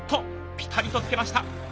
ピタリとつけました。